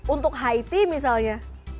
untuk haiti misalnya